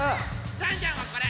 ジャンジャンはこれ。